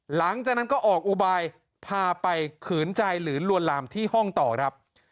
หลังจากนั้นก็ออกอุบายพาไปขืนใจหรือลวนลามที่ห้องต่อครับ